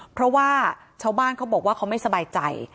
เพราะว่าชาวบ้านเขาบอกว่าเขาไม่สบายใจ